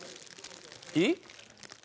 えっ？